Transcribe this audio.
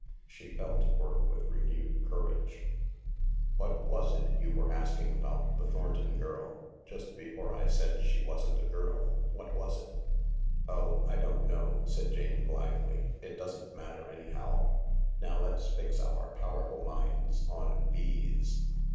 She fell to work with renewed courage. 222 THE LARK " What was it you were asking about the Thornton girt — just before I said she wasn't a girl ; what was it ?" "Oh, I don't know," said Jane blithely; "it doesn't matter anyhow. "Now let's fix our powerful minds on bees.